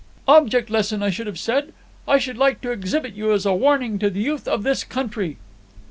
"Object lesson, I should have said. I should like to exhibit you as a warning to the youth of this country."